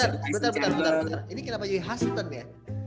bentar bentar ini kenapa jadi huston ya